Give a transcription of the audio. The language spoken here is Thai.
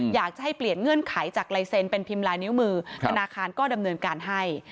อยากจะให้เปลี่ยนเงื่อนไขจากลายเซ็นต์เป็นพิมพ์ลายนิ้วมือธนาคารก็ดำเนินการให้